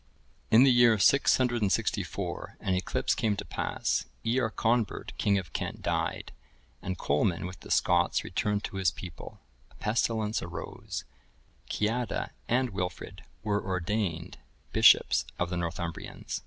[III, 24.] In the year 664, an eclipse came to pass; Earconbert, king of Kent, died; and Colman with the Scots returned to his people; a pestilence arose; Ceadda and Wilfrid were ordained bishops of the Northumbrians.